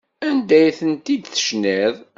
Anda ay tent-id-tecniḍ?